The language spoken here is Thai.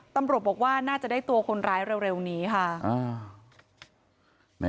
ตำรวจบอกว่าน่าจะได้ตัวคนร้ายเร็วนี้ค่ะ